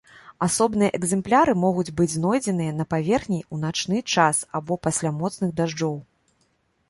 Асобныя экзэмпляры могуць быць знойдзеныя на паверхні ў начны час або пасля моцных дажджоў.